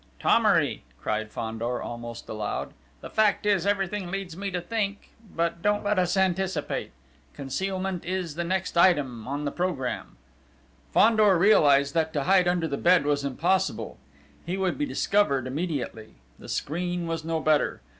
"Thomery!" cried Fandor almost aloud. "The fact is, everything leads me to think ... but don't let us anticipate! Concealment is the next item on the programme!" Fandor realised that to hide under the bed was impossible: he would be discovered immediately.... The screen was no better!...